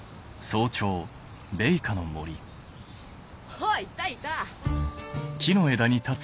あっいたいた！